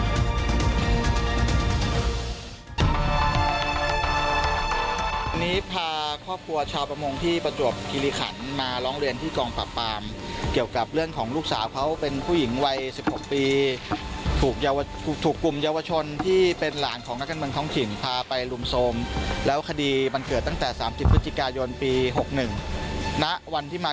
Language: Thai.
วันนี้พาครอบครัวชาวประมงที่ประจวบคิริขันมาร้องเรียนที่กองปราบปรามเกี่ยวกับเรื่องของลูกสาวเขาเป็นผู้หญิงวัย๑๖ปีถูกกลุ่มเยาวชนที่เป็นหลานของนักการเมืองท้องถิ่นพาไปลุมโทรมแล้วคดีมันเกิดตั้งแต่๓๐พฤศจิกายนปี๖๑ณวันที่มา